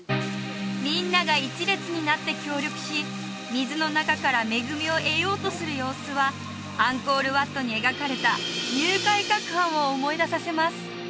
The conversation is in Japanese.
みんなが１列になって協力し水の中から恵みを得ようとする様子はアンコール・ワットに描かれた乳海攪拌を思い出させます